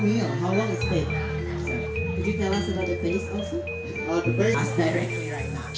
tidak tanya langsung sekarang